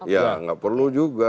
ya gak perlu juga